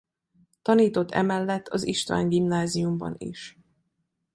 Tanított emellett az István Gimnáziumban is.